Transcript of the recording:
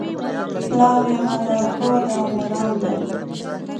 لار یمه لار ښوده او مرام یمه